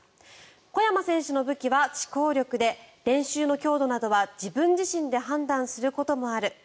小山選手の武器は思考力で練習の強度などは自分自身で判断することもある。